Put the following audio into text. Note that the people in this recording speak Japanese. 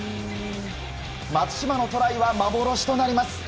松島のトライは幻となります。